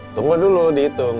tunggu dulu dihitung